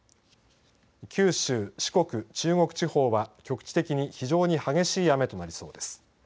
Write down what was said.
九州、四国、中国地方は局地的に非常に激しい雨となりそうです。